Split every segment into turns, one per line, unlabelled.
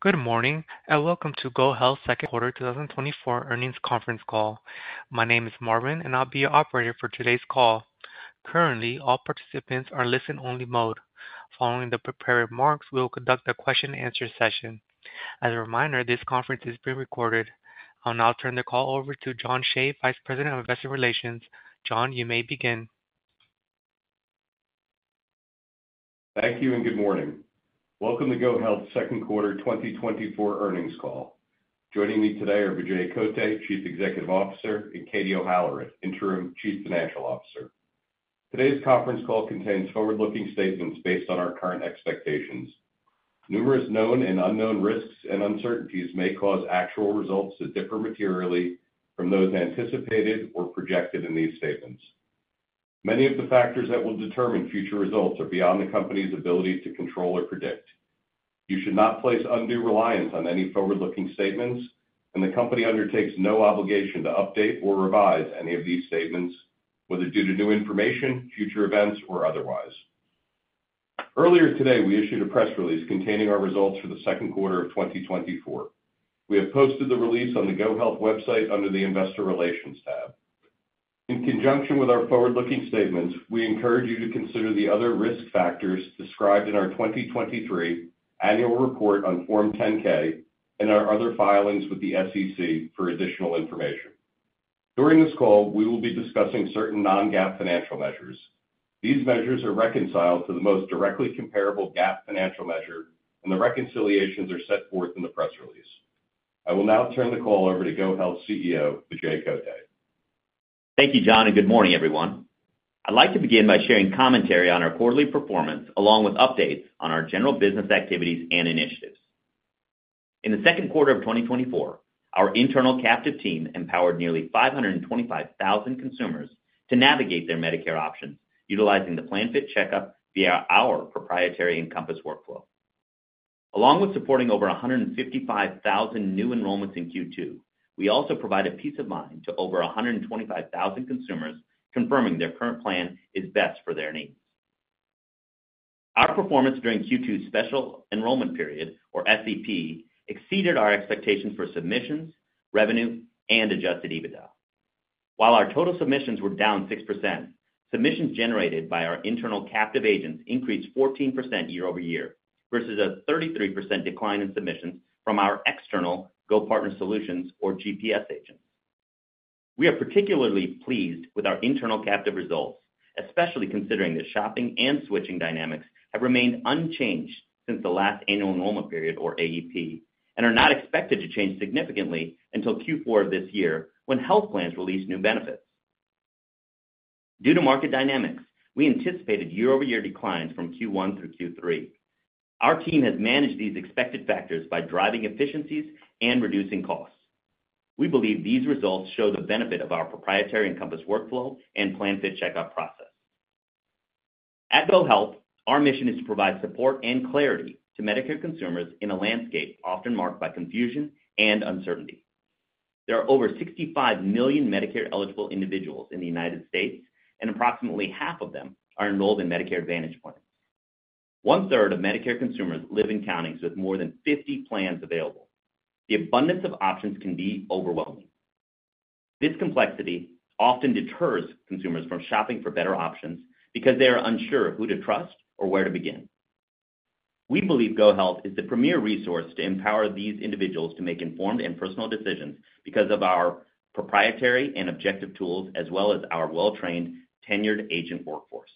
Good morning, and welcome to GoHealth's second quarter 2024 earnings conference call. My name is Marvin, and I'll be your operator for today's call. Currently, all participants are in listen-only mode. Following the prepared remarks, we will conduct a question and answer session. As a reminder, this conference is being recorded. I'll now turn the call over to John Shave, Vice President of Investor Relations. John, you may begin.
Thank you, and good morning. Welcome to GoHealth's second quarter 2024 earnings call. Joining me today are Vijay Kotte, Chief Executive Officer, and Katie O'Halloran, Interim Chief Financial Officer. Today's conference call contains forward-looking statements based on our current expectations. Numerous known and unknown risks and uncertainties may cause actual results to differ materially from those anticipated or projected in these statements. Many of the factors that will determine future results are beyond the company's ability to control or predict. You should not place undue reliance on any forward-looking statements, and the company undertakes no obligation to update or revise any of these statements, whether due to new information, future events, or otherwise. Earlier today, we issued a press release containing our results for the second quarter of 2024. We have posted the release on the GoHealth website under the Investor Relations tab. In conjunction with our forward-looking statements, we encourage you to consider the other risk factors described in our 2023 annual report on Form 10-K and our other filings with the SEC for additional information. During this call, we will be discussing certain non-GAAP financial measures. These measures are reconciled to the most directly comparable GAAP financial measure, and the reconciliations are set forth in the press release. I will now turn the call over to GoHealth's CEO, Vijay Kotte.
Thank you, John, and good morning, everyone. I'd like to begin by sharing commentary on our quarterly performance, along with updates on our general business activities and initiatives. In the second quarter of 2024, our internal captive team empowered nearly 525,000 consumers to navigate their Medicare options, utilizing the PlanFit Checkup via our proprietary Encompass workflow. Along with supporting over 155,000 new enrollments in Q2, we also provided peace of mind to over 125,000 consumers, confirming their current plan is best for their needs. Our performance during Q2's special enrollment period, or SEP, exceeded our expectations for submissions, revenue, and Adjusted EBITDA. While our total submissions were down 6%, submissions generated by our internal captive agents increased 14% year-over-year versus a 33% decline in submissions from our external GoPartner Solutions, or GPS, agents. We are particularly pleased with our internal captive results, especially considering the shopping and switching dynamics have remained unchanged since the last annual enrollment period, or AEP, and are not expected to change significantly until Q4 of this year, when health plans release new benefits. Due to market dynamics, we anticipated year-over-year declines from Q1 through Q3. Our team has managed these expected factors by driving efficiencies and reducing costs. We believe these results show the benefit of our proprietary Encompass workflow and PlanFit Checkup process. At GoHealth, our mission is to provide support and clarity to Medicare consumers in a landscape often marked by confusion and uncertainty. There are over 65 million Medicare-eligible individuals in the United States, and approximately half of them are enrolled in Medicare Advantage plans. 1/3 of Medicare consumers live in counties with more than 50 plans available. The abundance of options can be overwhelming. This complexity often deters consumers from shopping for better options because they are unsure of who to trust or where to begin. We believe GoHealth is the premier resource to empower these individuals to make informed and personal decisions because of our proprietary and objective tools, as well as our well-trained, tenured agent workforce.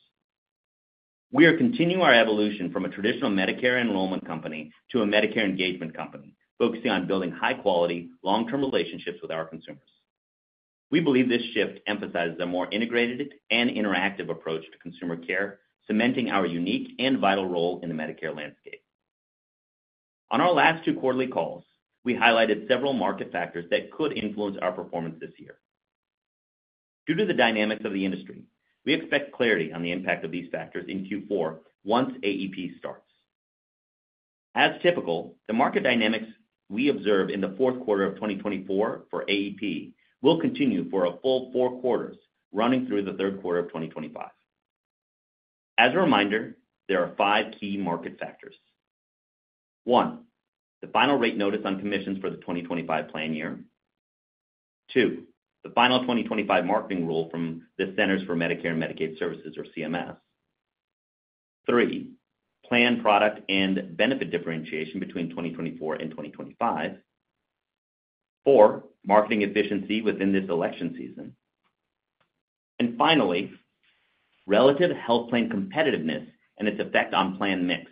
We are continuing our evolution from a traditional Medicare enrollment company to a Medicare engagement company, focusing on building high quality, long-term relationships with our consumers. We believe this shift emphasizes a more integrated and interactive approach to consumer care, cementing our unique and vital role in the Medicare landscape. On our last two quarterly calls, we highlighted several market factors that could influence our performance this year. Due to the dynamics of the industry, we expect clarity on the impact of these factors in Q4 once AEP starts. As typical, the market dynamics we observe in the fourth quarter of 2024 for AEP will continue for a full four quarters, running through the third quarter of 2025. As a reminder, there are five key market factors. One, the final rate notice on commissions for the 2025 plan year. Two, the final 2025 marketing rule from the Centers for Medicare and Medicaid Services, or CMS. Three, plan, product, and benefit differentiation between 2024 and 2025. Four, marketing efficiency within this election season. And finally, relative health plan competitiveness and its effect on plan mix.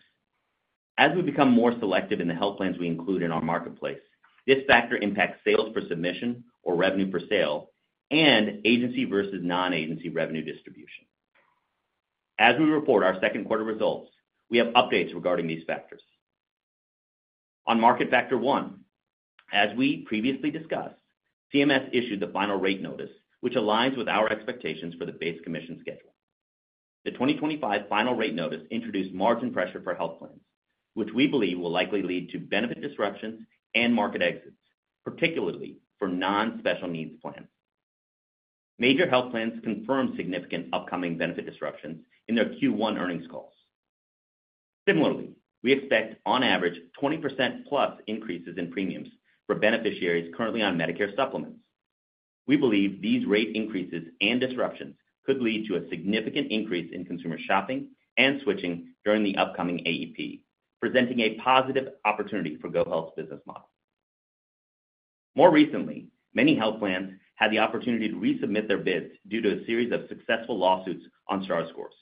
As we become more selective in the health plans we include in our marketplace, this factor impacts sales per submission or revenue per sale and agency versus non-agency revenue distribution. As we report our second quarter results, we have updates regarding these factors. On market factor one, as we previously discussed, CMS issued the final rate notice, which aligns with our expectations for the base commission schedule. The 2025 final rate notice introduced margin pressure for health plans, which we believe will likely lead to benefit disruptions and market exits, particularly for non-special needs plans.... Major health plans confirmed significant upcoming benefit disruptions in their Q1 earnings calls. Similarly, we expect, on average, 20%+ increases in premiums for beneficiaries currently on Medicare supplements. We believe these rate increases and disruptions could lead to a significant increase in consumer shopping and switching during the upcoming AEP, presenting a positive opportunity for GoHealth's business model. More recently, many health plans had the opportunity to resubmit their bids due to a series of successful lawsuits on Star scores.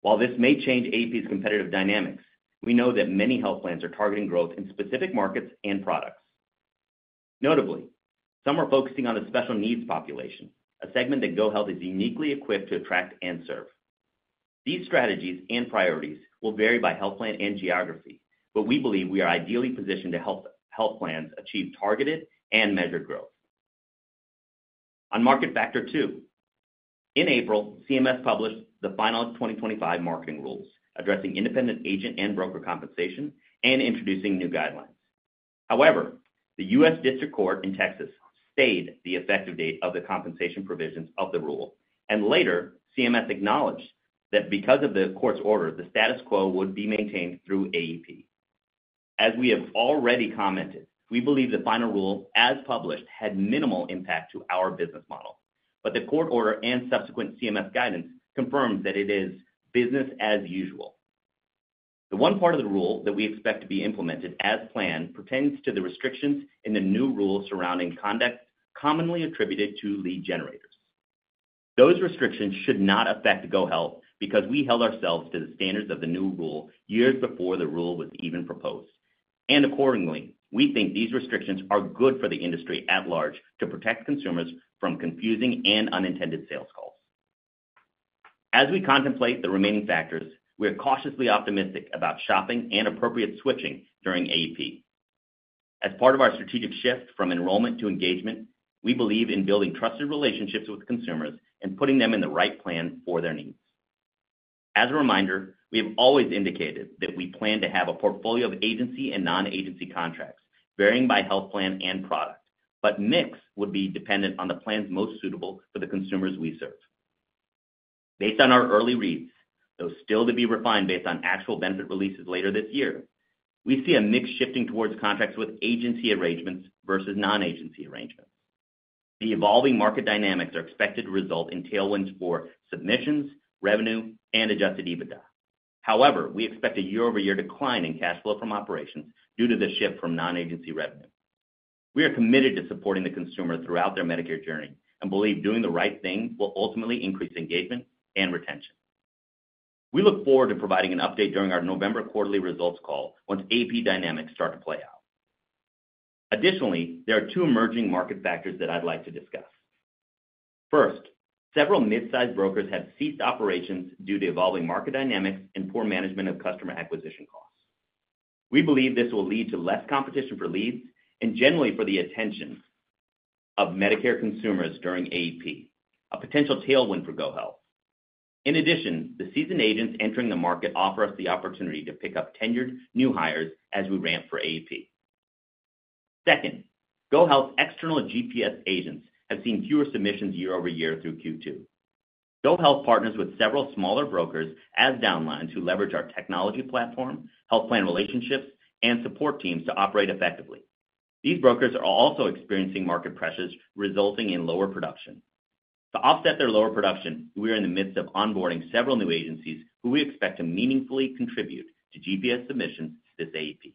While this may change AEP's competitive dynamics, we know that many health plans are targeting growth in specific markets and products. Notably, some are focusing on the special needs population, a segment that GoHealth is uniquely equipped to attract and serve. These strategies and priorities will vary by health plan and geography, but we believe we are ideally positioned to help health plans achieve targeted and measured growth. On market factor two, in April, CMS published the final 2025 marketing rules, addressing independent agent and broker compensation and introducing new guidelines. However, the U.S. District Court in Texas stayed the effective date of the compensation provisions of the rule, and later, CMS acknowledged that because of the court's order, the status quo would be maintained through AEP. As we have already commented, we believe the final rule, as published, had minimal impact to our business model, but the court order and subsequent CMS guidance confirms that it is business as usual. The one part of the rule that we expect to be implemented as planned pertains to the restrictions in the new rule surrounding conduct commonly attributed to lead generators. Those restrictions should not affect GoHealth because we held ourselves to the standards of the new rule years before the rule was even proposed. And accordingly, we think these restrictions are good for the industry at large to protect consumers from confusing and unintended sales calls. As we contemplate the remaining factors, we are cautiously optimistic about shopping and appropriate switching during AEP. As part of our strategic shift from enrollment to engagement, we believe in building trusted relationships with consumers and putting them in the right plan for their needs. As a reminder, we have always indicated that we plan to have a portfolio of agency and non-agency contracts, varying by health plan and product, but mix would be dependent on the plans most suitable for the consumers we serve. Based on our early reads, though still to be refined based on actual benefit releases later this year, we see a mix shifting towards contracts with agency arrangements versus non-agency arrangements. The evolving market dynamics are expected to result in tailwinds for submissions, revenue, and Adjusted EBITDA. However, we expect a year-over-year decline in cash flow from operations due to the shift from non-agency revenue. We are committed to supporting the consumer throughout their Medicare journey and believe doing the right thing will ultimately increase engagement and retention. We look forward to providing an update during our November quarterly results call once AEP dynamics start to play out. Additionally, there are two emerging market factors that I'd like to discuss. First, several mid-sized brokers have ceased operations due to evolving market dynamics and poor management of customer acquisition costs. We believe this will lead to less competition for leads and generally for the attention of Medicare consumers during AEP, a potential tailwind for GoHealth. In addition, the seasoned agents entering the market offer us the opportunity to pick up tenured new hires as we ramp for AEP. Second, GoHealth's external GPS agents have seen fewer submissions year-over-year through Q2. GoHealth partners with several smaller brokers as downlines who leverage our technology platform, health plan relationships, and support teams to operate effectively. These brokers are also experiencing market pressures, resulting in lower production. To offset their lower production, we are in the midst of onboarding several new agencies who we expect to meaningfully contribute to GPS submissions this AEP.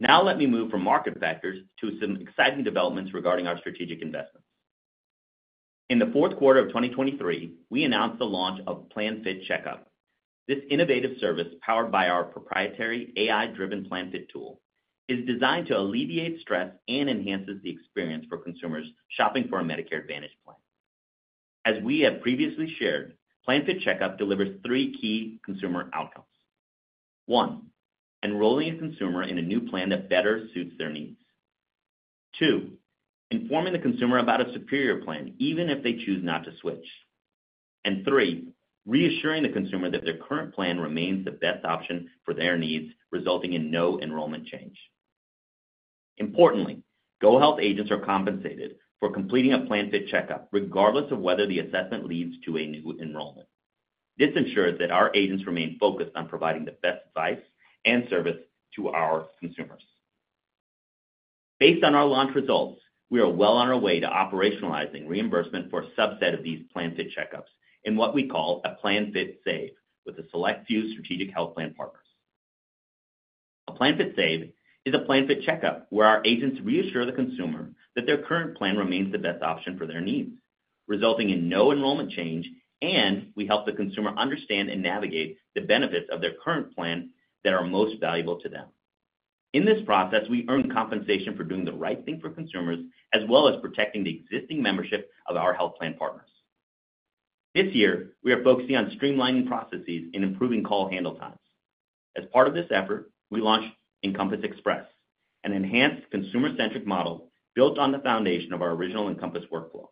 Now, let me move from market factors to some exciting developments regarding our strategic investments. In the fourth quarter of 2023, we announced the launch of PlanFit Checkup. This innovative service, powered by our proprietary AI-driven PlanFit tool, is designed to alleviate stress and enhances the experience for consumers shopping for a Medicare Advantage plan. As we have previously shared, PlanFit Checkup delivers three key consumer outcomes. One, enrolling a consumer in a new plan that better suits their needs. Two, informing the consumer about a superior plan, even if they choose not to switch. And three, reassuring the consumer that their current plan remains the best option for their needs, resulting in no enrollment change. Importantly, GoHealth agents are compensated for completing a PlanFit Checkup, regardless of whether the assessment leads to a new enrollment. This ensures that our agents remain focused on providing the best advice and service to our consumers. Based on our launch results, we are well on our way to operationalizing reimbursement for a subset of these PlanFit Checkups in what we call a PlanFit Save, with a select few strategic health plan partners. A PlanFit Save is a PlanFit Checkup, where our agents reassure the consumer that their current plan remains the best option for their needs, resulting in no enrollment change, and we help the consumer understand and navigate the benefits of their current plan that are most valuable to them. In this process, we earn compensation for doing the right thing for consumers, as well as protecting the existing membership of our health plan partners. This year, we are focusing on streamlining processes and improving call handle times. As part of this effort, we launched Encompass Express, an enhanced consumer-centric model built on the foundation of our original Encompass workflow.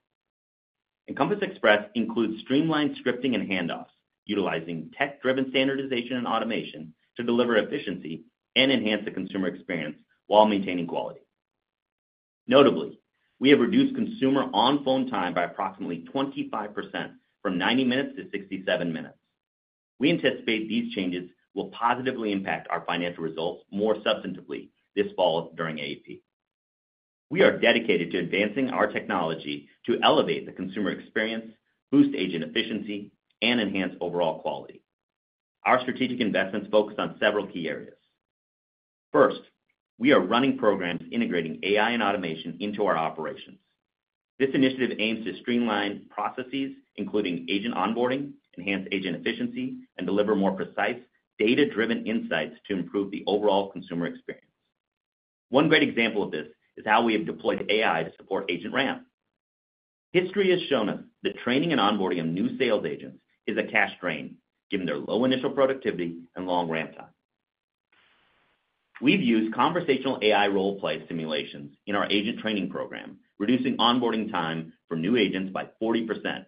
Encompass Express includes streamlined scripting and handoffs, utilizing tech-driven standardization and automation to deliver efficiency and enhance the consumer experience while maintaining quality. Notably, we have reduced consumer on-phone time by approximately 25%, from 90 minutes to 67 minutes. We anticipate these changes will positively impact our financial results more substantively this fall during AEP. We are dedicated to advancing our technology to elevate the consumer experience, boost agent efficiency, and enhance overall quality. Our strategic investments focus on several key areas. First, we are running programs integrating AI and automation into our operations. This initiative aims to streamline processes, including agent onboarding, enhance agent efficiency, and deliver more precise, data-driven insights to improve the overall consumer experience. One great example of this is how we have deployed AI to support agent ramp. History has shown us that training and onboarding of new sales agents is a cash drain, given their low initial productivity and long ramp time. We've used conversational AI role-play simulations in our agent training program, reducing onboarding time for new agents by 40%.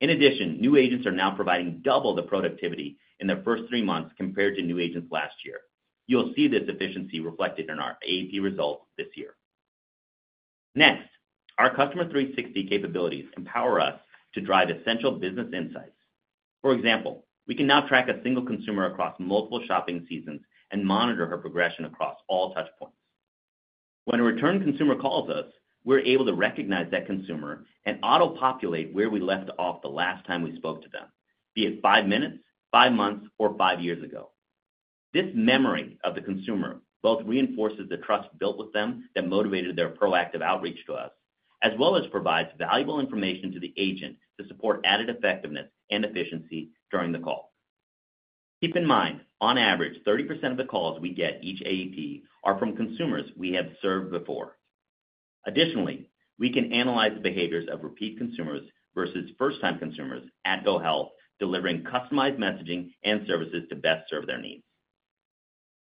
In addition, new agents are now providing double the productivity in their first three months compared to new agents last year. You'll see this efficiency reflected in our AEP results this year. Next, our Customer 360 capabilities empower us to drive essential business insights. For example, we can now track a single consumer across multiple shopping seasons and monitor her progression across all touch points. When a return consumer calls us, we're able to recognize that consumer and auto-populate where we left off the last time we spoke to them, be it five minutes, five months, or five years ago. This memory of the consumer both reinforces the trust built with them that motivated their proactive outreach to us, as well as provides valuable information to the agent to support added effectiveness and efficiency during the call. Keep in mind, on average, 30% of the calls we get each AEP are from consumers we have served before. Additionally, we can analyze the behaviors of repeat consumers versus first-time consumers at GoHealth, delivering customized messaging and services to best serve their needs.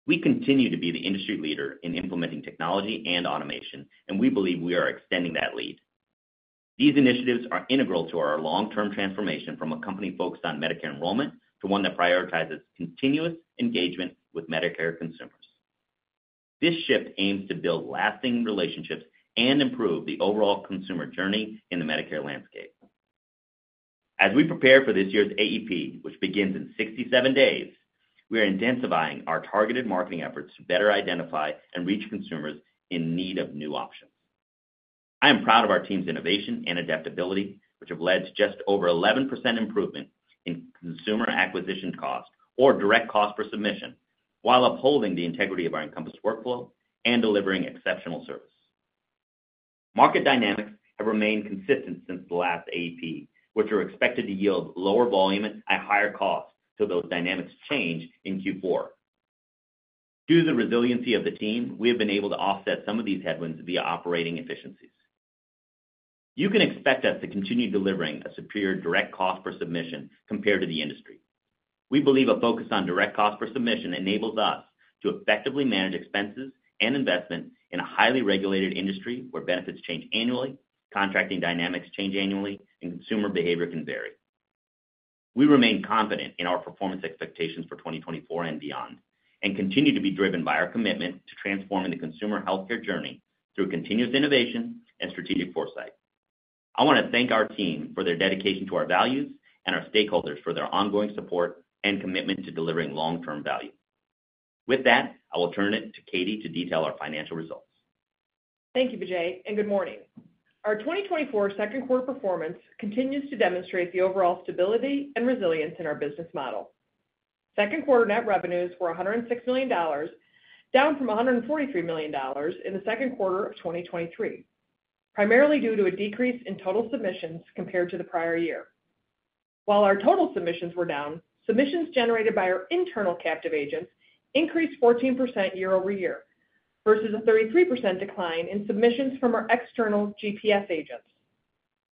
We continue to be the industry leader in implementing technology and automation, and we believe we are extending that lead. These initiatives are integral to our long-term transformation from a company focused on Medicare enrollment to one that prioritizes continuous engagement with Medicare consumers. This shift aims to build lasting relationships and improve the overall consumer journey in the Medicare landscape. As we prepare for this year's AEP, which begins in 67 days, we are intensifying our targeted marketing efforts to better identify and reach consumers in need of new options. I am proud of our team's innovation and adaptability, which have led to just over 11% improvement in consumer acquisition cost or direct cost per submission, while upholding the integrity of our Encompass workflow and delivering exceptional service. Market dynamics have remained consistent since the last AEP, which are expected to yield lower volume at higher costs till those dynamics change in Q4. Due to the resiliency of the team, we have been able to offset some of these headwinds via operating efficiencies. You can expect us to continue delivering a superior direct cost per submission compared to the industry. We believe a focus on direct cost per submission enables us to effectively manage expenses and investment in a highly regulated industry where benefits change annually, contracting dynamics change annually, and consumer behavior can vary. We remain confident in our performance expectations for 2024 and beyond, and continue to be driven by our commitment to transforming the consumer healthcare journey through continuous innovation and strategic foresight. I want to thank our team for their dedication to our values and our stakeholders for their ongoing support and commitment to delivering long-term value. With that, I will turn it to Katie to detail our financial results.
Thank you, Vijay, and good morning. Our 2024 second quarter performance continues to demonstrate the overall stability and resilience in our business model. Second quarter net revenues were $106 million, down from $143 million in the second quarter of 2023, primarily due to a decrease in total submissions compared to the prior year. While our total submissions were down, submissions generated by our internal captive agents increased 14% year-over-year, versus a 33% decline in submissions from our external GPS agents.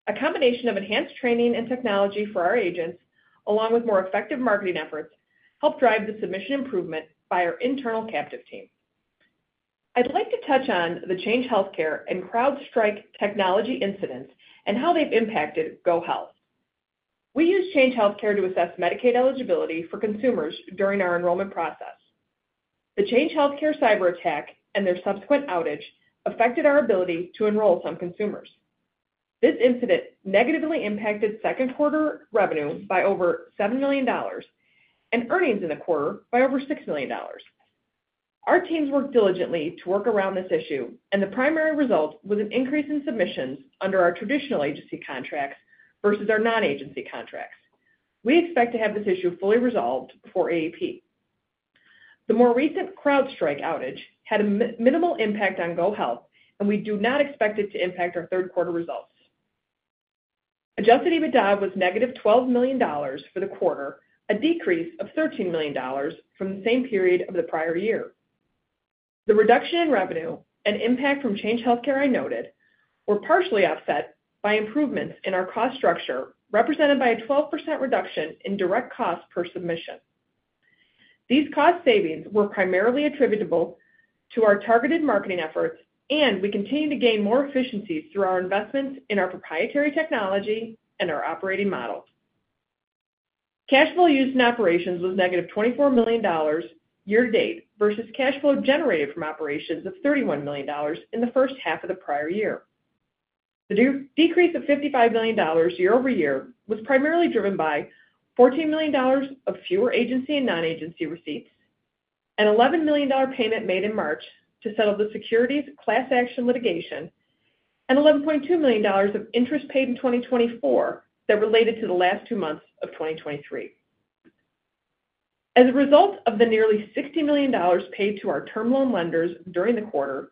A combination of enhanced training and technology for our agents, along with more effective marketing efforts, helped drive the submission improvement by our internal captive team. I'd like to touch on the Change Healthcare and CrowdStrike technology incidents and how they've impacted GoHealth. We use Change Healthcare to assess Medicaid eligibility for consumers during our enrollment process. The Change Healthcare cyber attack and their subsequent outage affected our ability to enroll some consumers. This incident negatively impacted second quarter revenue by over $7 million and earnings in the quarter by over $6 million. Our teams worked diligently to work around this issue, and the primary result was an increase in submissions under our traditional agency contracts versus our non-agency contracts. We expect to have this issue fully resolved before AEP. The more recent CrowdStrike outage had a minimal impact on GoHealth, and we do not expect it to impact our third quarter results. Adjusted EBITDA was negative $12 million for the quarter, a decrease of $13 million from the same period of the prior year. The reduction in revenue and impact from Change Healthcare I noted, were partially offset by improvements in our cost structure, represented by a 12% reduction in direct cost per submission. These cost savings were primarily attributable to our targeted marketing efforts, and we continue to gain more efficiencies through our investments in our proprietary technology and our operating model. Cash flow used in operations was negative $24 million year-to-date, versus cash flow generated from operations of $31 million in the first half of the prior year. The decrease of $55 million year-over-year was primarily driven by $14 million of fewer agency and non-agency receipts, an $11 million payment made in March to settle the securities class action litigation, and $11.2 million of interest paid in 2024 that related to the last two months of 2023. As a result of the nearly $60 million paid to our term loan lenders during the quarter,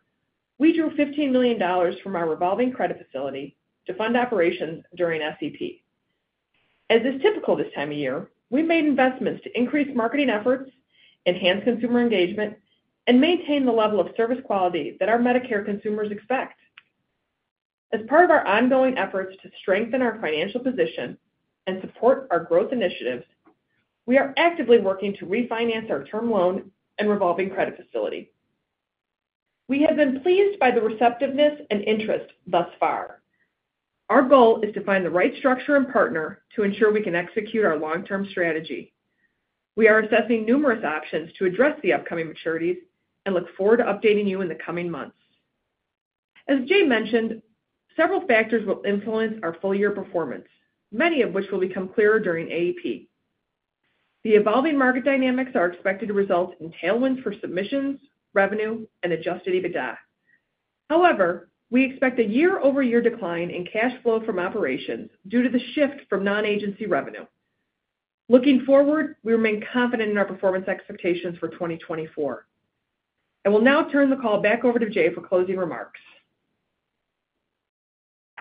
we drew $15 million from our revolving credit facility to fund operations during SEP. As is typical this time of year, we made investments to increase marketing efforts, enhance consumer engagement, and maintain the level of service quality that our Medicare consumers expect. As part of our ongoing efforts to strengthen our financial position and support our growth initiatives, we are actively working to refinance our term loan and revolving credit facility. We have been pleased by the receptiveness and interest thus far. Our goal is to find the right structure and partner to ensure we can execute our long-term strategy. We are assessing numerous options to address the upcoming maturities and look forward to updating you in the coming months. As Jay mentioned, several factors will influence our full year performance, many of which will become clearer during AEP. The evolving market dynamics are expected to result in tailwinds for submissions, revenue, and Adjusted EBITDA. However, we expect a year-over-year decline in cash flow from operations due to the shift from non-agency revenue. Looking forward, we remain confident in our performance expectations for 2024. I will now turn the call back over to Jay for closing remarks.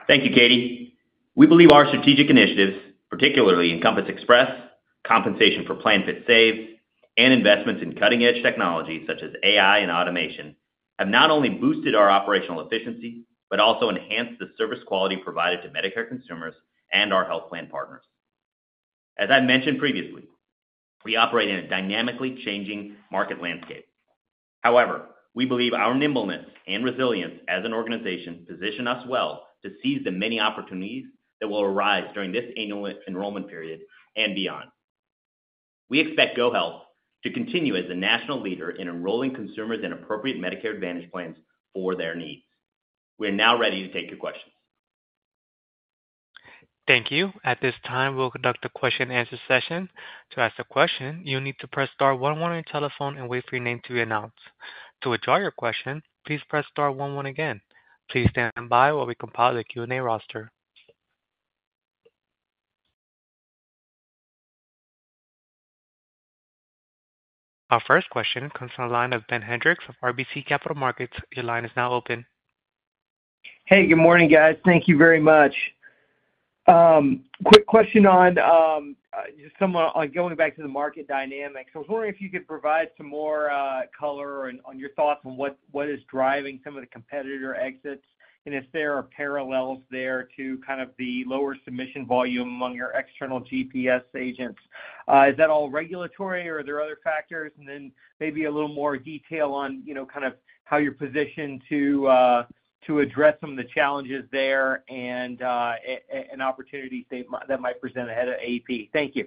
Thank you, Katie. We believe our strategic initiatives, particularly Encompass Express, compensation for PlanFit Save, and investments in cutting-edge technologies such as AI and automation, have not only boosted our operational efficiency, but also enhanced the service quality provided to Medicare consumers and our health plan partners. As I mentioned previously, we operate in a dynamically changing market landscape. However, we believe our nimbleness and resilience as an organization position us well to seize the many opportunities that will arise during this annual enrollment period and beyond. We expect GoHealth to continue as a national leader in enrolling consumers in appropriate Medicare Advantage plans for their needs. We are now ready to take your questions.
Thank you. At this time, we'll conduct a question and answer session. To ask a question, you need to press star one one on your telephone and wait for your name to be announced. To withdraw your question, please press star one one again. Please stand by while we compile the Q&A roster. Our first question comes from the line of Ben Hendrix of RBC Capital Markets. Your line is now open.
Hey, good morning, guys. Thank you very much. Quick question on, just somewhat on going back to the market dynamics. I was wondering if you could provide some more, color on, on your thoughts on what, what is driving some of the competitor exits, and if there are parallels there to kind of the lower submission volume among your external GPS agents. Is that all regulatory, or are there other factors? And then maybe a little more detail on, you know, kind of how you're positioned to, to address some of the challenges there and, an opportunity that might present ahead of AEP. Thank you.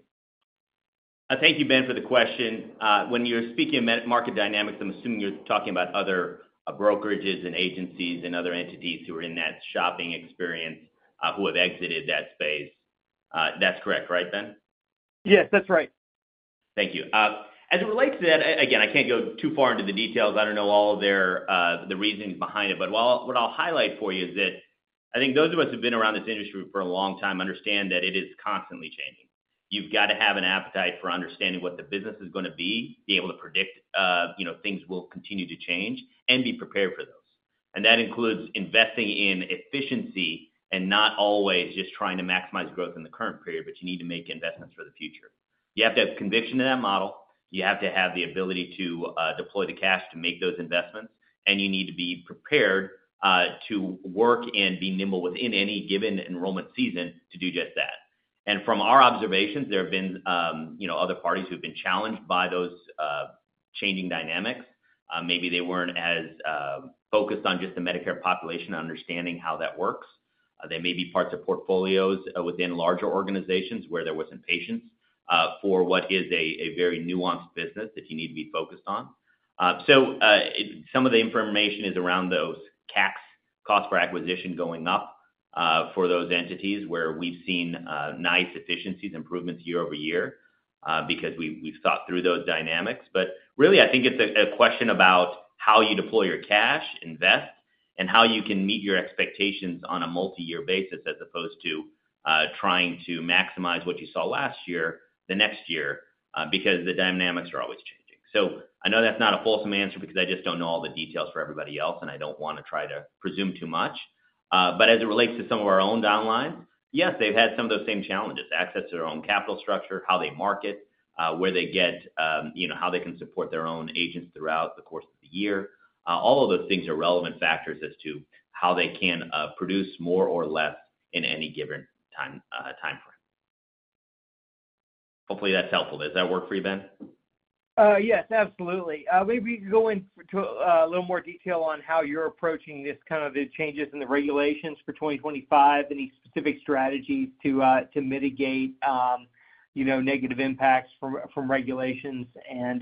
Thank you, Ben, for the question. When you're speaking about market dynamics, I'm assuming you're talking about other brokerages and agencies and other entities who are in that shopping experience, who have exited that space. That's correct, right, Ben?
Yes, that's right.
Thank you. As it relates to that, again, I can't go too far into the details. I don't know all of their reasonings behind it, but what I'll highlight for you is that I think those of us who've been around this industry for a long time understand that it is constantly changing. You've got to have an appetite for understanding what the business is gonna be, be able to predict, you know, things will continue to change and be prepared for those. And that includes investing in efficiency and not always just trying to maximize growth in the current period, but you need to make investments for the future. You have to have conviction in that model, you have to have the ability to deploy the cash to make those investments, and you need to be prepared to work and be nimble within any given enrollment season to do just that. From our observations, there have been, you know, other parties who've been challenged by those changing dynamics. Maybe they weren't as focused on just the Medicare population, understanding how that works. They may be parts of portfolios within larger organizations where there wasn't patience for what is a very nuanced business that you need to be focused on. So, some of the information is around those CACs, cost per acquisition, going up for those entities where we've seen nice efficiencies improvements year-over-year because we've thought through those dynamics. But really, I think it's a question about how you deploy your cash, invest, and how you can meet your expectations on a multi-year basis, as opposed to trying to maximize what you saw last year, the next year, because the dynamics are always changing. So I know that's not a wholesome answer because I just don't know all the details for everybody else, and I don't wanna try to presume too much. But as it relates to some of our own downline, yes, they've had some of those same challenges: access to their own capital structure, how they market, where they get, you know, how they can support their own agents throughout the course of the year. All of those things are relevant factors as to how they can produce more or less in any given time, time frame.... Hopefully, that's helpful. Does that work for you, Ben?
Yes, absolutely. Maybe you can go into a little more detail on how you're approaching this kind of the changes in the regulations for 2025. Any specific strategies to mitigate, you know, negative impacts from regulations and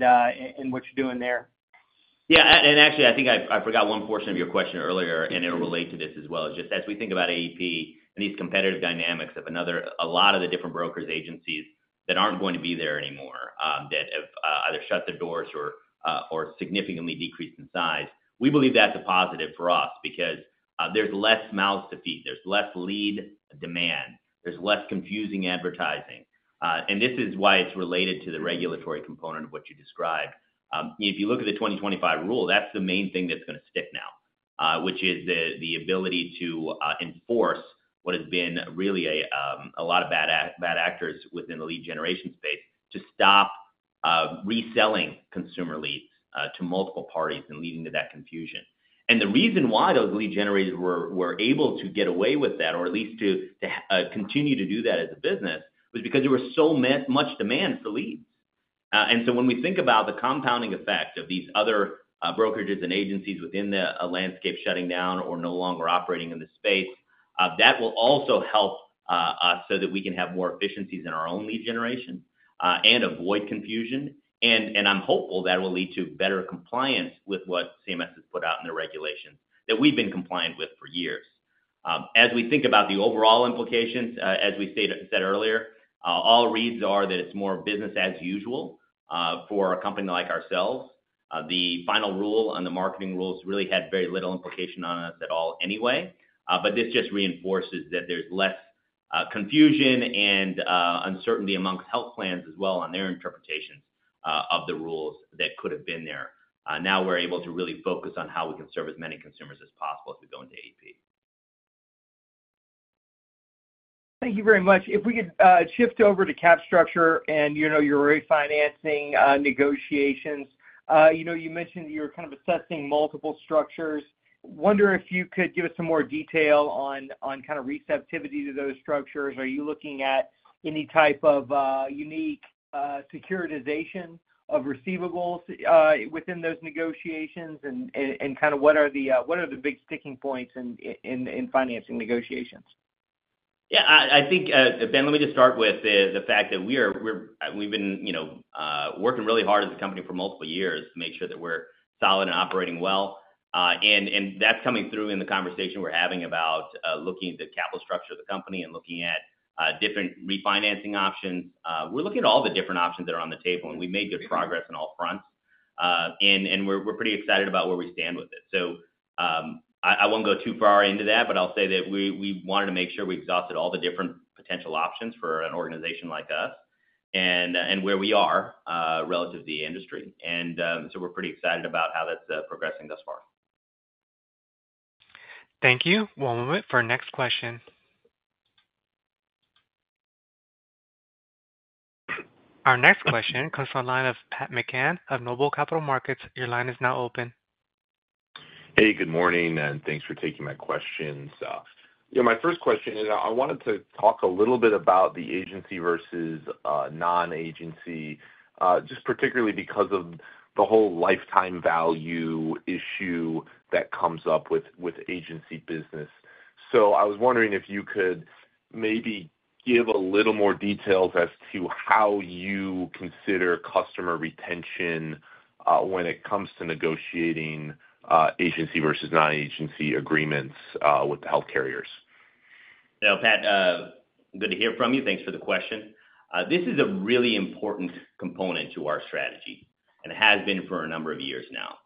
what you're doing there?
Yeah, and actually, I think I forgot one portion of your question earlier, and it'll relate to this as well. Just as we think about AEP and these competitive dynamics of a lot of the different broker agencies that aren't going to be there anymore, that have or significantly decreased in size, we believe that's a positive for us because there's less mouths to feed, there's less lead demand, there's less confusing advertising. And this is why it's related to the regulatory component of what you described. If you look at the 2025 rule, that's the main thing that's going to stick now, which is the ability to enforce what has been really a lot of bad actors within the lead generation space, to stop reselling consumer leads to multiple parties and leading to that confusion. And the reason why those lead generators were able to get away with that, or at least to continue to do that as a business, was because there was so much demand for leads. And so when we think about the compounding effect of these other brokerages and agencies within the landscape shutting down or no longer operating in the space, that will also help us, so that we can have more efficiencies in our own lead generation and avoid confusion. And I'm hopeful that will lead to better compliance with what CMS has put out in the regulations that we've been compliant with for years. As we think about the overall implications, as we stated earlier, all reads are that it's more business as usual for a company like ourselves. The final rule on the marketing rules really had very little implication on us at all anyway. But this just reinforces that there's less confusion and uncertainty amongst health plans as well on their interpretations of the rules that could have been there. Now we're able to really focus on how we can serve as many consumers as possible as we go into AEP.
Thank you very much. If we could shift over to cap structure and, you know, your refinancing negotiations. You know, you mentioned you're kind of assessing multiple structures. Wonder if you could give us some more detail on kind of receptivity to those structures. Are you looking at any type of unique securitization of receivables within those negotiations? And kind of what are the big sticking points in financing negotiations?
Yeah, I think, Ben, let me just start with the fact that we are - we're, we've been, you know, working really hard as a company for multiple years to make sure that we're solid and operating well. And that's coming through in the conversation we're having about looking at the capital structure of the company and looking at different refinancing options. We're looking at all the different options that are on the table, and we've made good progress on all fronts. And we're pretty excited about where we stand with it. So, I won't go too far into that, but I'll say that we wanted to make sure we exhausted all the different potential options for an organization like us and where we are relative to the industry. We're pretty excited about how that's progressing thus far.
Thank you. One moment for our next question. Our next question comes from the line of Pat McCann of NOBLE Capital Markets. Your line is now open.
Hey, good morning, and thanks for taking my questions. You know, my first question is, I wanted to talk a little bit about the agency versus non-agency, just particularly because of the whole lifetime value issue that comes up with agency business. So I was wondering if you could maybe give a little more details as to how you consider customer retention when it comes to negotiating agency versus non-agency agreements with the health carriers.
So, Pat, good to hear from you. Thanks for the question. This is a really important component to our strategy and has been for a number of years now,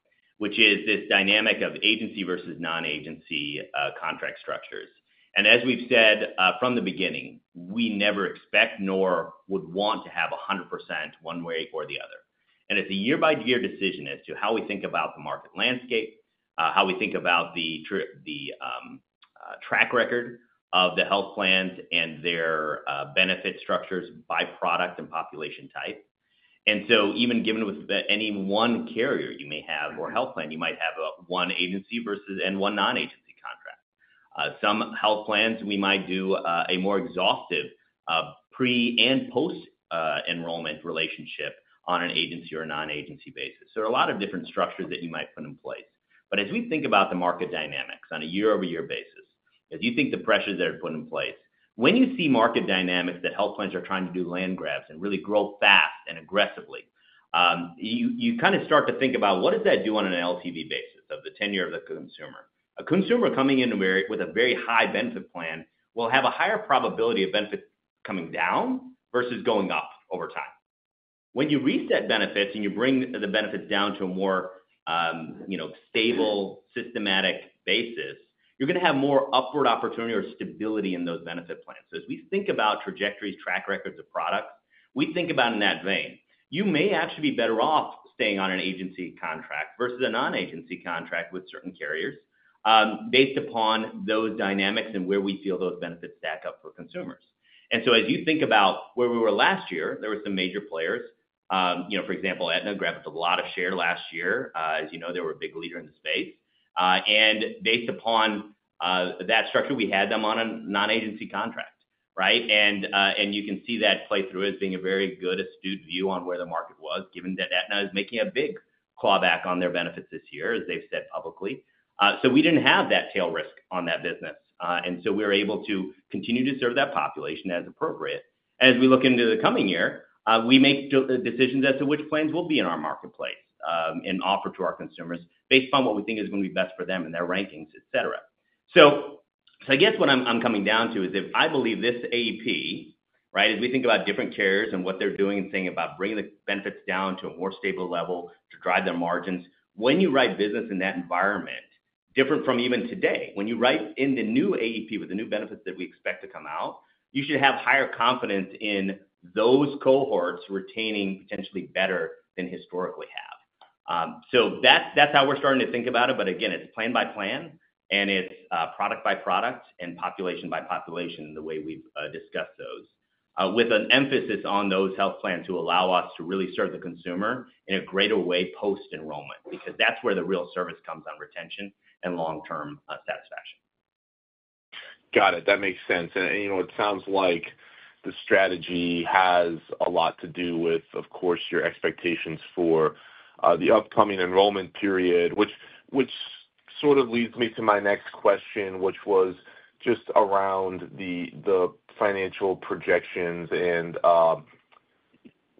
which is this dynamic of agency versus non-agency contract structures. And as we've said from the beginning, we never expect nor would want to have 100% one way or the other. And it's a year-by-year decision as to how we think about the market landscape, how we think about the track record of the health plans and their benefit structures by product and population type. And so even given with any one carrier you may have or health plan, you might have one agency versus and one non-agency contract. Some health plans, we might do a more exhaustive pre- and post-enrollment relationship on an agency or a non-agency basis. There are a lot of different structures that you might put in place. But as we think about the market dynamics on a year-over-year basis, as you think the pressures that are put in place, when you see market dynamics that health plans are trying to do land grabs and really grow fast and aggressively, you kind of start to think about what does that do on an LTV basis of the tenure of the consumer? A consumer coming in with a very high benefit plan will have a higher probability of benefits coming down versus going up over time. When you reset benefits and you bring the benefits down to a more, you know, stable, systematic basis, you're going to have more upward opportunity or stability in those benefit plans. So as we think about trajectories, track records of products, we think about in that vein. You may actually be better off staying on an agency contract versus a non-agency contract with certain carriers, based upon those dynamics and where we feel those benefits stack up for consumers. And so as you think about where we were last year, there were some major players, you know, for example, Aetna grabbed a lot of share last year. As you know, they were a big leader in the space. And based upon that structure, we had them on a non-agency contract, right? You can see that play through as being a very good, astute view on where the market was, given that Aetna is making a big clawback on their benefits this year, as they've said publicly. So we didn't have that tail risk on that business. And so we're able to continue to serve that population as appropriate. As we look into the coming year, we make decisions as to which plans will be in our marketplace, and offer to our consumers based on what we think is going to be best for them and their rankings, et cetera. So, I guess what I'm coming down to is, if I believe this AEP, right, as we think about different carriers and what they're doing and thinking about bringing the benefits down to a more stable level to drive their margins, when you write business in that environment, different from even today, when you write in the new AEP with the new benefits that we expect to come out, you should have higher confidence in those cohorts retaining potentially better than historically have. So that's how we're starting to think about it. But again, it's plan by plan, and it's product by product and population by population, the way we've discussed those. With an emphasis on those health plans to allow us to really serve the consumer in a greater way post-enrollment, because that's where the real service comes on retention and long-term satisfaction.
Got it. That makes sense. And, you know, it sounds like the strategy has a lot to do with, of course, your expectations for the upcoming enrollment period, which sort of leads me to my next question, which was just around the financial projections and,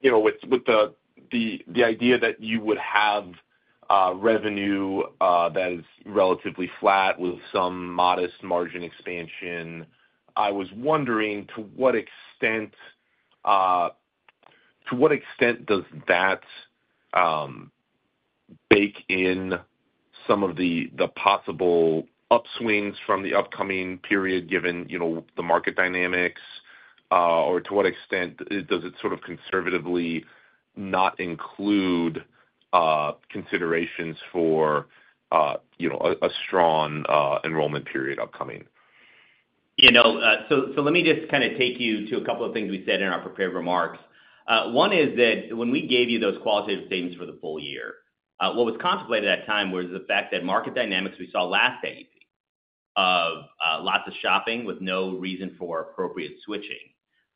you know, with the idea that you would have revenue that is relatively flat with some modest margin expansion. I was wondering, to what extent does that bake in some of the possible upswings from the upcoming period, given, you know, the market dynamics? Or to what extent does it sort of conservatively not include considerations for, you know, a strong enrollment period upcoming?
You know, so let me just kind of take you to a couple of things we said in our prepared remarks. One is that when we gave you those qualitative statements for the full year, what was contemplated at that time was the fact that market dynamics we saw last AEP, of lots of shopping with no reason for appropriate switching,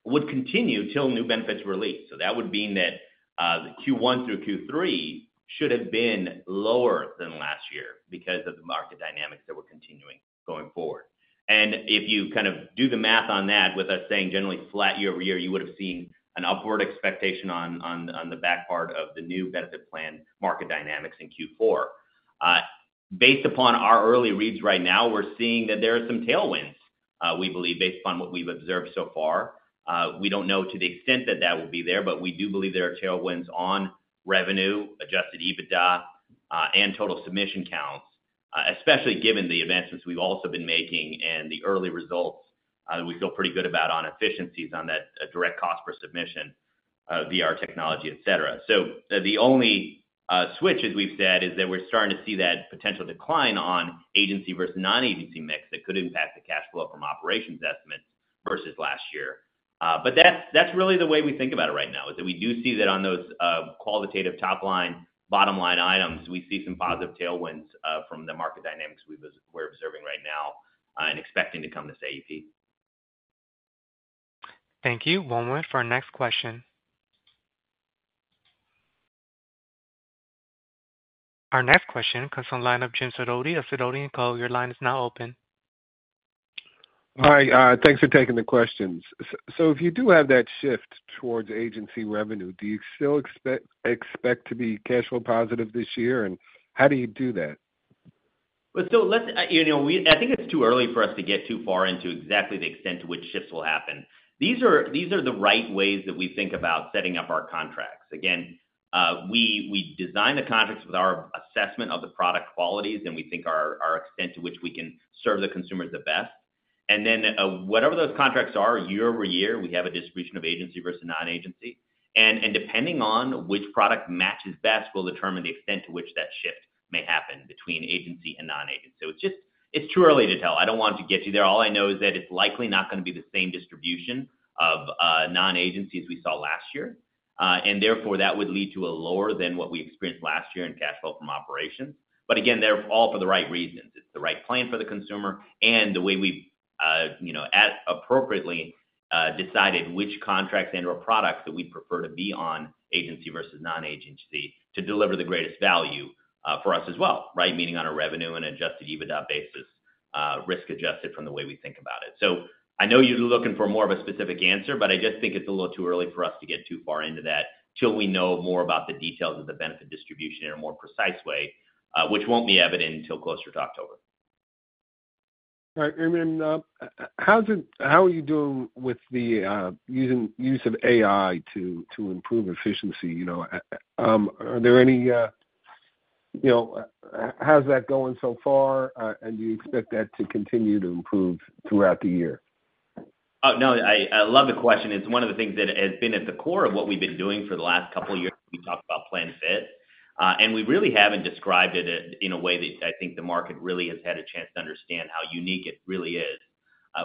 would continue till new benefits were released. So that would mean that the Q1 through Q3 should have been lower than last year because of the market dynamics that were continuing going forward. And if you kind of do the math on that, with us saying generally flat year-over-year, you would have seen an upward expectation on the back part of the new benefit plan market dynamics in Q4. Based upon our early reads right now, we're seeing that there are some tailwinds, we believe, based upon what we've observed so far. We don't know to the extent that that will be there, but we do believe there are tailwinds on revenue, Adjusted EBITDA, and total submission counts, especially given the advancements we've also been making and the early results we feel pretty good about on efficiencies on that, direct cost per submission, VR technology, et cetera. So the only switch, as we've said, is that we're starting to see that potential decline on agency versus non-agency mix that could impact the cash flow from operations estimates versus last year. But that's really the way we think about it right now, is that we do see that on those qualitative top line, bottom line items, we see some positive tailwinds from the market dynamics we're observing right now and expecting to come this AEP.
Thank you. One moment for our next question. Our next question comes from line of Jim Sidoti of Sidoti & Co. Your line is now open.
Hi, thanks for taking the questions. So if you do have that shift towards agency revenue, do you still expect to be cash flow positive this year? And how do you do that?
Well, so let's, you know, I think it's too early for us to get too far into exactly the extent to which shifts will happen. These are the right ways that we think about setting up our contracts. Again, we design the contracts with our assessment of the product qualities, and we think our extent to which we can serve the consumers the best. And then, whatever those contracts are year-over-year, we have a distribution of agency versus non-agency. And depending on which product matches best, will determine the extent to which that shift may happen between agency and non-agency. So it's just—it's too early to tell. I don't want to get you there. All I know is that it's likely not going to be the same distribution of non-agency as we saw last year, and therefore, that would lead to a lower than what we experienced last year in cash flow from operations. But again, they're all for the right reasons. It's the right plan for the consumer and the way we've, you know, appropriately decided which contracts and/or products that we'd prefer to be on agency versus non-agency to deliver the greatest value for us as well, right? Meaning on a revenue and Adjusted EBITDA basis, risk-adjusted from the way we think about it. So I know you're looking for more of a specific answer, but I just think it's a little too early for us to get too far into that till we know more about the details of the benefit distribution in a more precise way, which won't be evident until closer to October.
All right, how are you doing with the use of AI to improve efficiency, you know? Are there any, you know, how's that going so far? And do you expect that to continue to improve throughout the year?
Oh, no, I, I love the question. It's one of the things that has been at the core of what we've been doing for the last couple of years. We talked about PlanFit, and we really haven't described it in a way that I think the market really has had a chance to understand how unique it really is.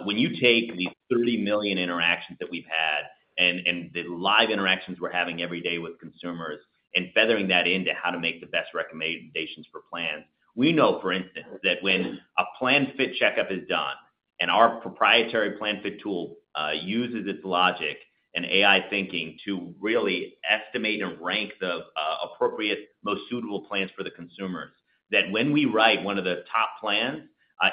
When you take the 30 million interactions that we've had and, and the live interactions we're having every day with consumers, and feathering that into how to make the best recommendations for plans, we know, for instance, that when a PlanFit Checkup is done and our proprietary PlanFit tool uses its logic and AI thinking to really estimate and rank the appropriate, most suitable plans for the consumers, that when we write one of the top plans,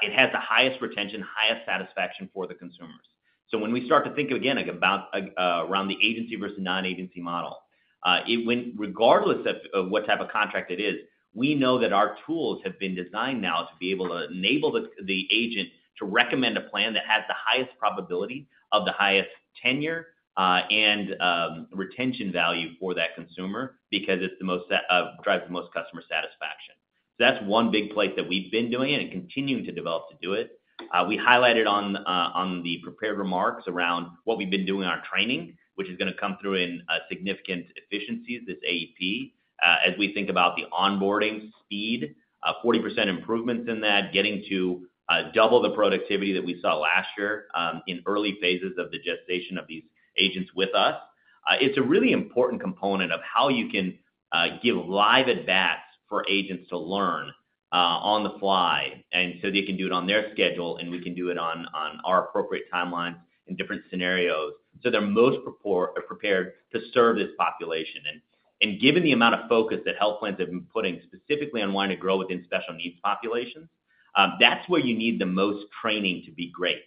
it has the highest retention, highest satisfaction for the consumers. So when we start to think again, like, about around the agency versus non-agency model, regardless of what type of contract it is, we know that our tools have been designed now to be able to enable the agent to recommend a plan that has the highest probability of the highest tenure and retention value for that consumer, because it's the most drives the most customer satisfaction. So that's one big place that we've been doing it and continuing to develop to do it. We highlighted on the prepared remarks around what we've been doing in our training, which is gonna come through in significant efficiencies, this AEP. As we think about the onboarding speed, 40% improvements in that, getting to double the productivity that we saw last year, in early phases of the gestation of these agents with us. It's a really important component of how you can give live advanced for agents to learn on the fly, and so they can do it on their schedule, and we can do it on our appropriate timeline in different scenarios, so they're most prepared to serve this population. And given the amount of focus that health plans have been putting specifically on wanting to grow within special needs populations, that's where you need the most training to be great.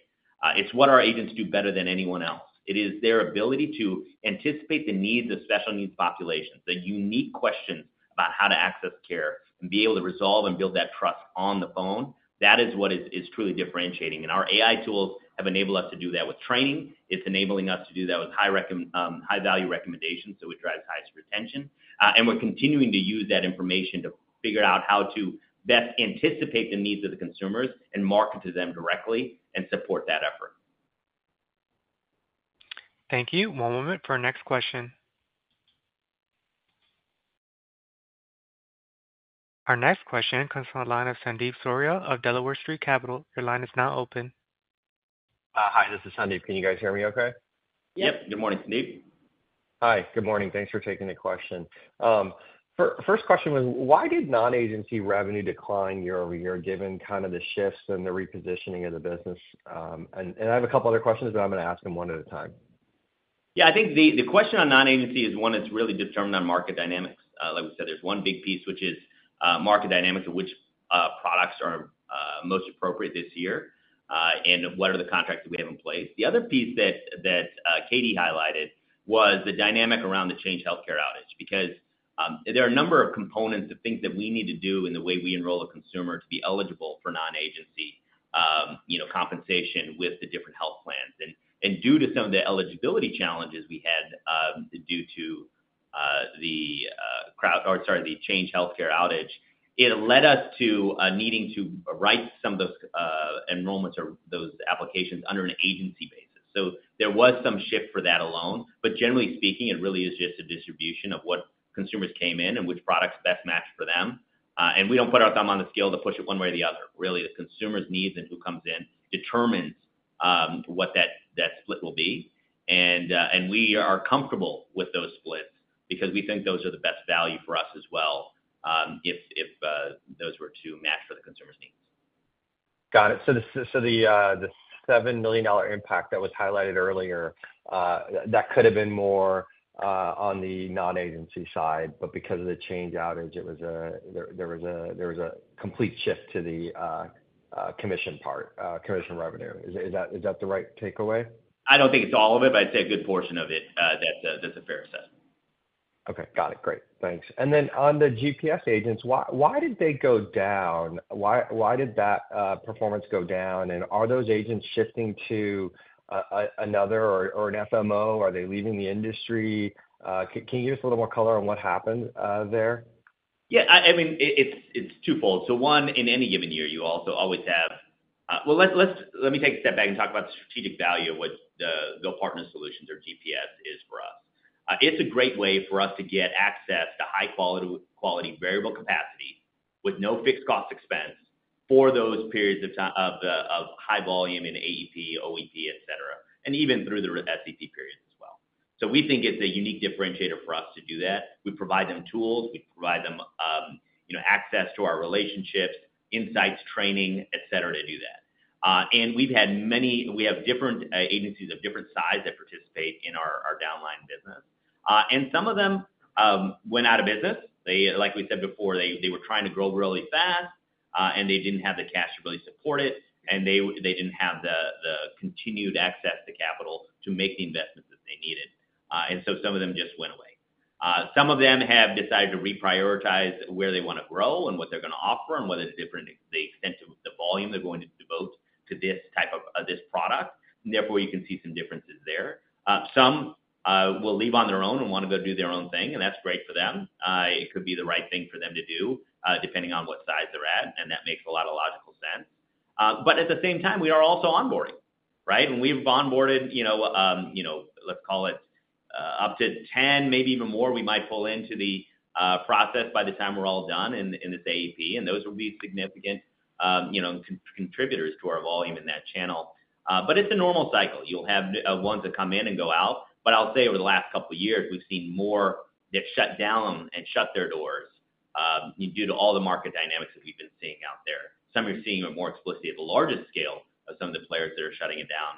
It's what our agents do better than anyone else. It is their ability to anticipate the needs of special needs populations, the unique questions about how to access care and be able to resolve and build that trust on the phone. That is what is truly differentiating. And our AI tools have enabled us to do that with training. It's enabling us to do that with high value recommendations, so we drive the highest retention. And we're continuing to use that information to figure out how to best anticipate the needs of the consumers and market to them directly and support that effort.
Thank you. One moment for our next question. Our next question comes from the line of Sandeep Soorya of Delaware Street Capital. Your line is now open.
Hi, this is Sandeep. Can you guys hear me okay?
Yep. Good morning, Sandeep.
Hi, good morning. Thanks for taking the question. First question was, why did non-agency revenue decline year-over-year, given kind of the shifts and the repositioning of the business? And I have a couple other questions, but I'm gonna ask them one at a time.
Yeah, I think the question on non-agency is one that's really determined on market dynamics. Like we said, there's one big piece, which is market dynamics, of which products are most appropriate this year, and what are the contracts that we have in place. The other piece that Katie highlighted was the dynamic around the Change Healthcare outage. Because there are a number of components of things that we need to do in the way we enroll a consumer to be eligible for non-agency, you know, compensation with the different health plans. And due to some of the eligibility challenges we had, due to the Change Healthcare outage, it led us to needing to write some of those enrollments or those applications under an agency basis. So there was some shift for that alone. But generally speaking, it really is just a distribution of what consumers came in and which products best matched for them. And we don't put our thumb on the scale to push it one way or the other. Really, the consumer's needs and who comes in determines what that split will be. And we are comfortable with those splits because we think those are the best value for us as well, if those were to match for the consumer's needs.
Got it. So the seven million dollar impact that was highlighted earlier, that could have been more on the non-agency side, but because of the Change outage, it was a... There was a complete shift to the commission part, commission revenue. Is that the right takeaway?
I don't think it's all of it, but I'd say a good portion of it. That's a fair assessment.
Okay. Got it. Great. Thanks. And then on the GPS agents, why did they go down? Why did that performance go down? And are those agents shifting to another or an FMO? Are they leaving the industry? Can you give us a little more color on what happened there?
Yeah, I mean, it's twofold. So one, in any given year, you also always have... Well, let me take a step back and talk about the strategic value of what the partner solutions or GPS is for us. It's a great way for us to get access to high quality variable capacity with no fixed cost expense for those periods of the high volume in AEP, OEP, et cetera, and even through the SEP periods as well. So we think it's a unique differentiator for us to do that. We provide them tools. We provide them, you know, access to our relationships, insights, training, et cetera, to do that. And we've had many. We have different agencies of different size that participate in our downline business. Some of them went out of business. They, like we said before, they were trying to grow really fast, and they didn't have the cash to really support it, and they didn't have the continued access to capital to make the investments that they needed. So some of them just went away. Some of them have decided to reprioritize where they want to grow and what they're gonna offer and whether it's different, the extent of the volume they're going to devote to this type of this product. And therefore, you can see some differences there. Some will leave on their own and want to go do their own thing, and that's great for them. It could be the right thing for them to do, depending on what size they're at, and that makes a lot of logical sense. But at the same time, we are also onboarding, right? And we've onboarded, you know, you know, let's call it up to 10, maybe even more, we might pull into the process by the time we're all done in this AEP, and those will be significant, you know, contributors to our volume in that channel. But it's a normal cycle. You'll have ones that come in and go out, but I'll say over the last couple of years, we've seen more that shut down and shut their doors due to all the market dynamics that we've been seeing out there. So, you're seeing it more explicitly at the largest scale of some of the players that are shutting it down,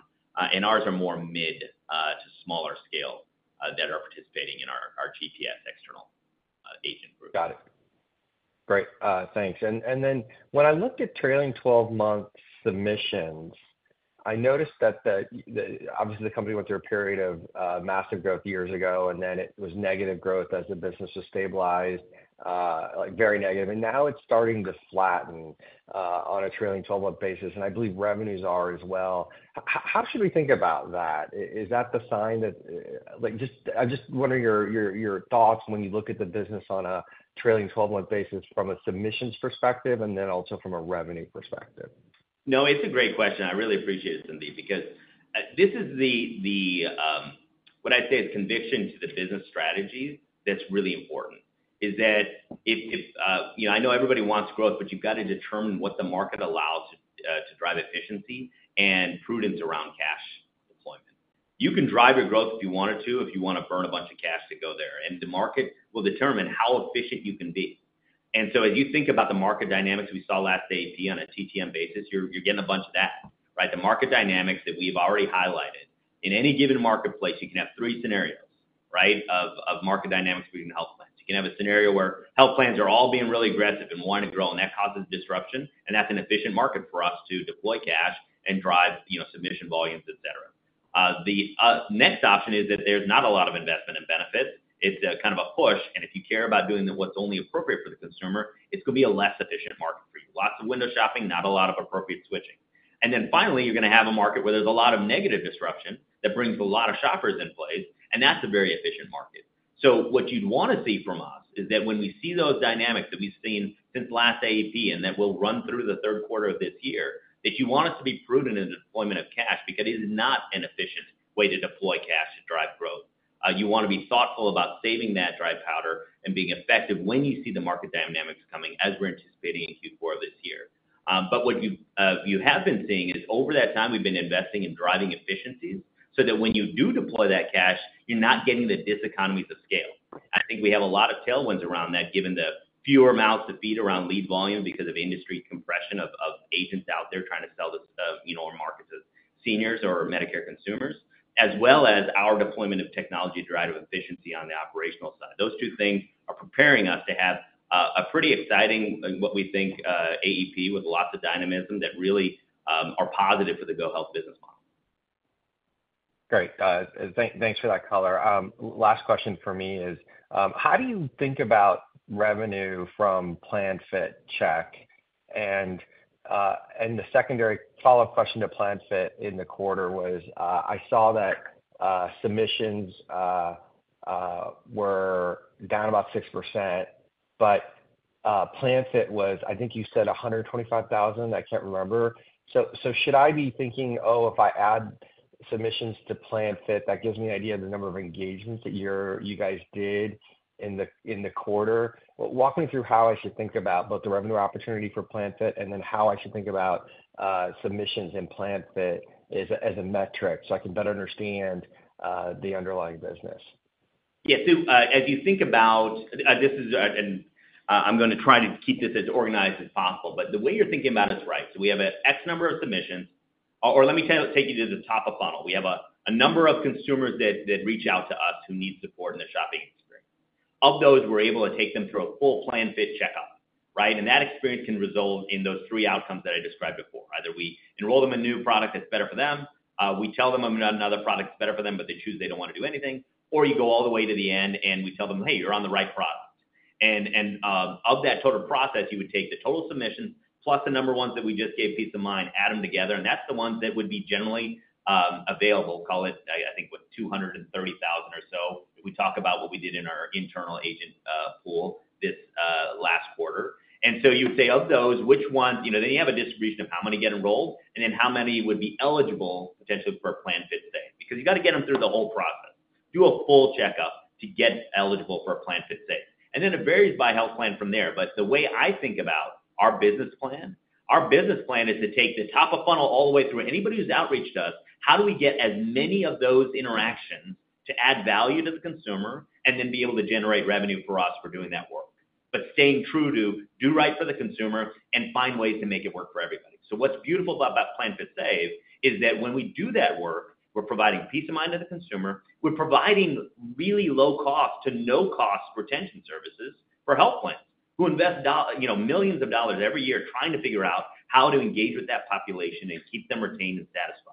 and ours are more mid to smaller scale that are participating in our, our GPS external agent group.
Got it. Great, thanks. And then when I looked at trailing 12-month submissions, I noticed that obviously, the company went through a period of massive growth years ago, and then it was negative growth as the business was stabilized, like, very negative, and now it's starting to flatten on a trailing 12-month basis, and I believe revenues are as well. How should we think about that? Is that the sign that... Like, just, I just wonder your thoughts when you look at the business on a trailing 12-month basis from a submissions perspective, and then also from a revenue perspective.
No, it's a great question. I really appreciate it, Sandeep, because this is the, the, what I'd say, is conviction to the business strategy that's really important, is that if, if, you know, I know everybody wants growth, but you've got to determine what the market allows, to drive efficiency and prudence around cash deployment. You can drive your growth if you wanted to, if you wanna burn a bunch of cash to go there, and the market will determine how efficient you can be. And so as you think about the market dynamics we saw last AEP on a TTM basis, you're, you're getting a bunch of that, right? The market dynamics that we've already highlighted. In any given marketplace, you can have three scenarios, right, of, of market dynamics between health plans. You can have a scenario where health plans are all being really aggressive and wanting to grow, and that causes disruption, and that's an efficient market for us to deploy cash and drive, you know, submission volumes, et cetera. The next option is that there's not a lot of investment in benefits. It's kind of a push, and if you care about doing what's only appropriate for the consumer, it's gonna be a less efficient market for you. Lots of window shopping, not a lot of appropriate switching. And then finally, you're gonna have a market where there's a lot of negative disruption that brings a lot of shoppers in place, and that's a very efficient market. So what you'd want to see from us is that when we see those dynamics that we've seen since last AEP, and that will run through the third quarter of this year, that you want us to be prudent in the deployment of cash, because it is not an efficient way to deploy cash to drive growth. You want to be thoughtful about saving that dry powder and being effective when you see the market dynamics coming, as we're anticipating in Q4 of this year. But what you have been seeing is over that time, we've been investing in driving efficiencies, so that when you do deploy that cash, you're not getting the diseconomies of scale. I think we have a lot of tailwinds around that, given the fewer mouths to feed around lead volume because of industry compression of, of agents out there trying to sell this, you know, our markets as seniors or Medicare consumers, as well as our deployment of technology drive of efficiency on the operational side. Those two things are preparing us to have a pretty exciting, and what we think, AEP, with lots of dynamism that really are positive for the GoHealth business model.
Great. Thanks for that color. Last question for me is: How do you think about revenue from PlanFit Check? And, the secondary follow-up question to PlanFit in the quarter was, I saw that submissions were down about 6%, but PlanFit was, I think you said 125,000, I can't remember. So should I be thinking, "Oh, if I add submissions to PlanFit, that gives me an idea of the number of engagements that you guys did in the quarter?" Walk me through how I should think about both the revenue opportunity for PlanFit, and then how I should think about submissions in PlanFit as a metric, so I can better understand the underlying business.
Yeah. So, as you think about... This is, and, I'm gonna try to keep this as organized as possible, but the way you're thinking about it is right. So we have a X number of submissions, or, or let me tell you- take you to the top of funnel. We have a, a number of consumers that, that reach out to us who need support in the shopping experience. Of those, we're able to take them through a full PlanFit Checkup, right? And that experience can result in those three outcomes that I described before. Either we enroll them in a new product that's better for them, we tell them another product is better for them, but they choose they don't want to do anything, or you go all the way to the end and we tell them: Hey, you're on the right product. Of that total process, you would take the total submissions, plus the number ones that we just gave peace of mind, add them together, and that's the ones that would be generally available. Call it, I think, what? 230,000 or so. We talk about what we did in our internal agent pool this last quarter. And so you would say, of those, which ones, you know, then you have a distribution of how many get enrolled, and then how many would be eligible potentially for a PlanFit Save. Because you got to get them through the whole process, do a full checkup to get eligible for a PlanFit Save. And then it varies by health plan from there. But the way I think about our business plan, our business plan is to take the top of funnel all the way through anybody who's outreached us, how do we get as many of those interactions to add value to the consumer, and then be able to generate revenue for us for doing that work? Staying true to do right for the consumer and find ways to make it work for everybody. So what's beautiful about that PlanFit Save is that when we do that work, we're providing peace of mind to the consumer, we're providing really low cost to no-cost retention services for health plans, who invest dollars—you know, millions of dollars every year trying to figure out how to engage with that population and keep them retained and satisfied.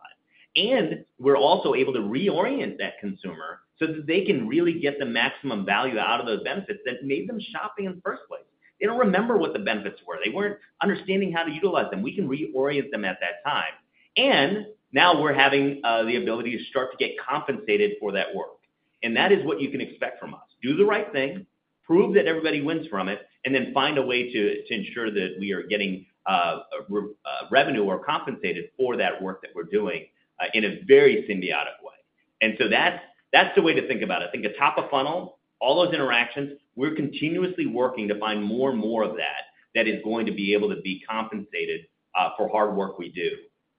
And we're also able to reorient that consumer so that they can really get the maximum value out of those benefits that made them shop in the first place. They don't remember what the benefits were. They weren't understanding how to utilize them. We can reorient them at that time. And now we're having the ability to start to get compensated for that work. And that is what you can expect from us. Do the right thing, prove that everybody wins from it, and then find a way to ensure that we are getting a revenue or compensated for that work that we're doing in a very symbiotic way. And so that's the way to think about it. Think of top of funnel, all those interactions, we're continuously working to find more and more of that, that is going to be able to be compensated for hard work we do.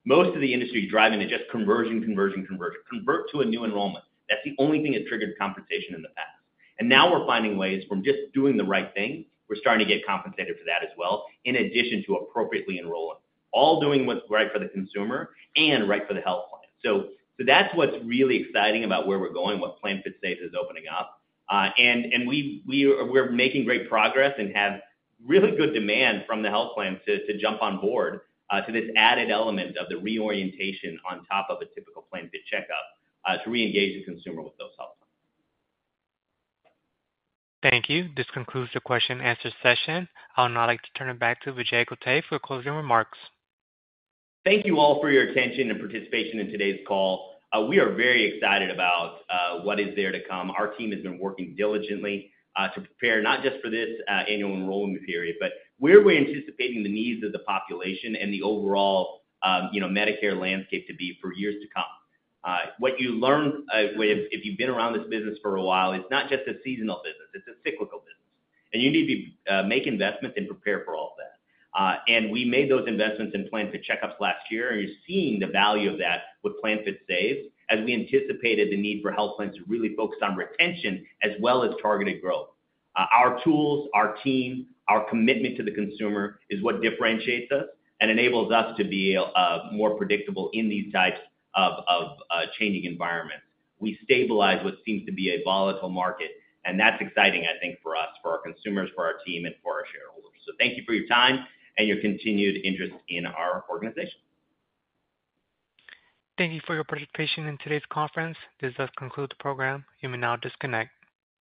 Most of the industry is driving to just conversion, conversion, conversion. Convert to a new enrollment. That's the only thing that triggered compensation in the past. And now we're finding ways from just doing the right thing, we're starting to get compensated for that as well, in addition to appropriately enrolling, all doing what's right for the consumer and right for the health plan. So, so that's what's really exciting about where we're going, what PlanFit Save is opening up. We're making great progress and have really good demand from the health plan to jump on board to this added element of the reorientation on top of a typical PlanFit Checkup to reengage the consumer with those health plans.
Thank you. This concludes the question and answer session. I would now like to turn it back to Vijay Kotte for closing remarks.
Thank you all for your attention and participation in today's call. We are very excited about what is there to come. Our team has been working diligently to prepare not just for this annual enrollment period, but where we're anticipating the needs of the population and the overall, you know, Medicare landscape to be for years to come. What you learn if you've been around this business for a while, it's not just a seasonal business, it's a cyclical business, and you need to make investments and prepare for all of that. And we made those investments in PlanFit Checkups last year, and you're seeing the value of that with PlanFit Saves, as we anticipated the need for health plans to really focus on retention as well as targeted growth. Our tools, our team, our commitment to the consumer is what differentiates us and enables us to be more predictable in these types of changing environments. We stabilize what seems to be a volatile market, and that's exciting, I think, for us, for our consumers, for our team, and for our shareholders. So thank you for your time and your continued interest in our organization.
Thank you for your participation in today's conference. This does conclude the program. You may now disconnect.